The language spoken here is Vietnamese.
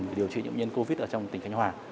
và các anh chị em trên ý là